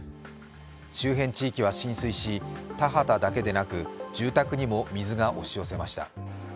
周辺地域は浸水し、田畑だけでなく住宅にも水が押し寄せました。